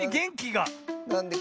なんで？